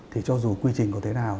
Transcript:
thì cho dù quy trình có thế nào